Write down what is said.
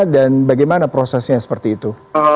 dan bagaimana prosesnya seperti itu